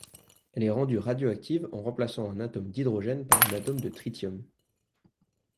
Elle est rendue radioactive en remplaçant un atome d'hydrogène par un atome de tritium.